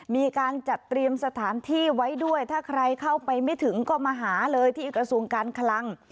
มีการจัดเตรียมสถานที่ไว้ด้วยถ้าใครเข้าไปไม่ถึงก็มาหาเลยที่กระทรวงการคลัง